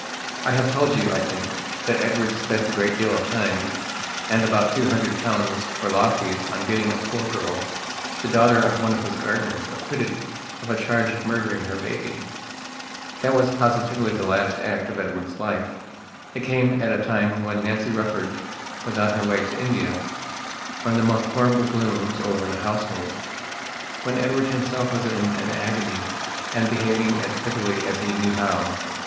I have told you, I think, that Edward spent a great deal of time, and about two hundred pounds for law fees on getting a poor girl, the daughter of one of his gardeners, acquitted of a charge of murdering her baby. That was positively the last act of Edward's life. It came at a time when Nancy Rufford was on her way to India; when the most horrible gloom was over the household; when Edward himself was in an agony and behaving as prettily as he knew how.